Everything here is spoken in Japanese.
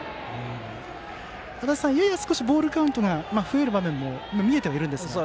足達さん、ややボールカウントが増える場面も見えてはいますが。